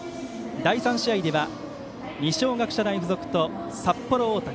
第３試合では二松学舎大付属と札幌大谷。